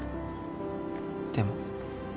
でも